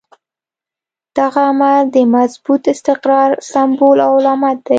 دغه عمل د مضبوط استقرار سمبول او علامت دی.